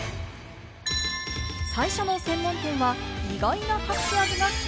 最初の専門店は意外な隠し味が！